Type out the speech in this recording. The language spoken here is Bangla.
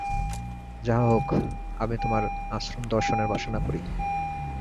যাহা হউক, আমি তোমার আশ্রমদর্শনের বাসনা করি।